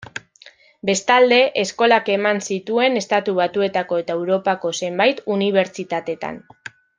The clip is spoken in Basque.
Bestalde, eskolak eman zituen Estatu Batuetako eta Europako zenbait unibertsitatetan.